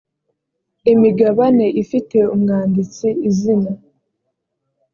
imigabane ifite umwanditsi izina